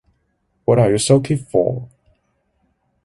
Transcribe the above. What are you sulky for?